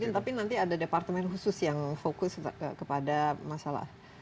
tapi nanti ada departemen khusus yang fokus kepada masalah